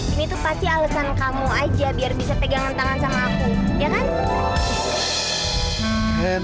ini tuh pasti alasan kamu aja biar bisa pegangan tangan sama aku ya kan